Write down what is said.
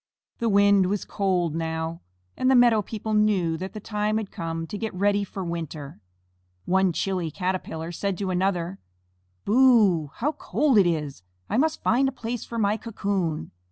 The wind was cold now, and the meadow people knew that the time had come to get ready for winter. One chilly Caterpillar said to another, "Boo oo! How cold it is! I must find a place for my cocoon.